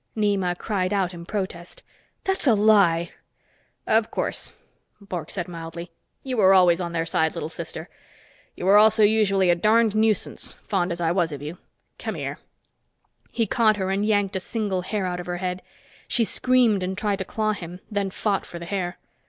Nema cried out in protest. "That's a lie!" "Of course," Bork said mildly. "You always were on their side, little sister. You were also usually a darned nuisance, fond as I was of you. Come here." He caught her and yanked a single hair out of her head. She screamed and tried to claw him, then fought for the hair.